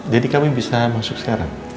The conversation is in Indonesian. jadi kami bisa masuk sekarang